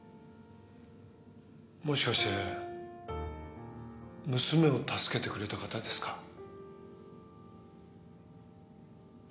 もしかして娘を助けてくれた方ですか？